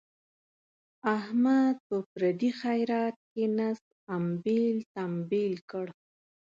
احمد په پردي خیرات کې نس امبېل تمبیل کړ.